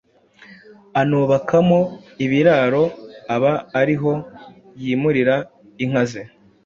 anubakamo ibiraro aba ari ho yimurira inka ze.